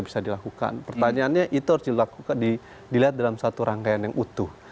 bisa dilakukan pertanyaannya itu harus dilakukan dilihat dalam satu rangkaian yang utuh